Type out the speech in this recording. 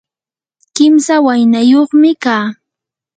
kimsa waynayuqmi kaa.